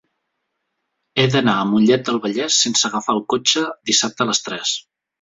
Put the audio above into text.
He d'anar a Mollet del Vallès sense agafar el cotxe dissabte a les tres.